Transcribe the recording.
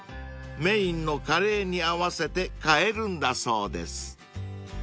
［メインのカレーに合わせて変えるんだそうです］